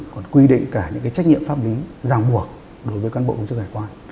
còn quy định cả những cái trách nhiệm pháp lý ràng buộc đối với cán bộ công chức hải quan